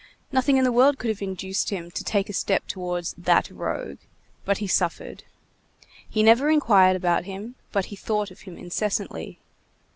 Nothing in the world could have induced him to take a step towards "that rogue"; but he suffered. He never inquired about him, but he thought of him incessantly.